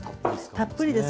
たっぷりです。